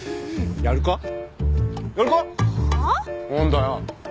何だよ？